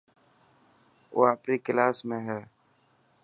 او آپري ڪلاس ۾ هي.